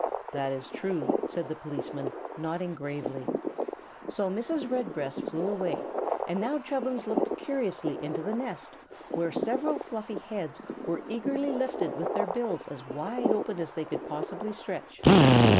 "That is true," said the policeman, nodding gravely. So Mrs. Redbreast flew away and now Chubbins looked curiously into the nest, where several fluffy heads were eagerly lifted with their bills as wide open as they could possibly stretch.